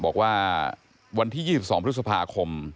บอกว่าวันที่๒๒พฤษภาคม